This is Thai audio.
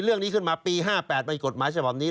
เรื่องนี้ขึ้นมาปี๕๘มีกฎหมายฉบับนี้